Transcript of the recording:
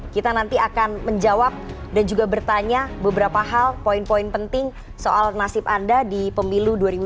kita nanti akan menjawab dan juga bertanya beberapa hal poin poin penting soal nasib anda di pemilu dua ribu dua puluh